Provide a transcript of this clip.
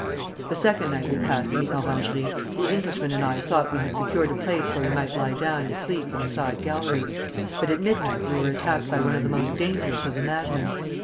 The second night we passed in the orangerie the Englishman and I thought we had secured a place where we might lie down and sleep in the side gallery; but at midnight we were attacked by one of the most dangerous of the madmen.